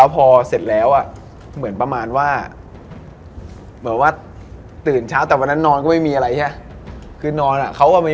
ก็คือภาพที่เห็นนะพี่